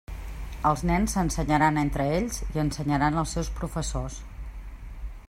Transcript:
Els nens s'ensenyaran entre ells i ensenyaran als seus professors.